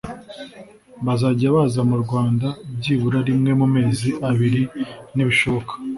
bazajya baza mu Rwanda byibura rimwe mu mezi abiri nibishoboka